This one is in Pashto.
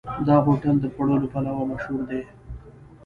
دا هوټل د خوړو له پلوه مشهور دی.